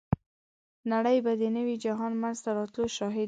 نړۍ به د نوي جهان منځته راتلو شاهده وي.